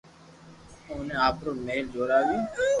اوني آپرو مھل جوراويو